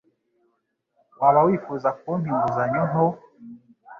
Waba wifuza kumpa inguzanyo nto?